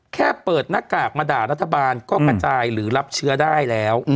แค่เปิดหน้ากากมาด่ารัฐบาลก็กระจายหรือรับเชื้อได้แล้ว